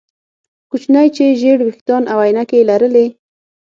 کوچنی چې ژیړ ویښتان او عینکې یې لرلې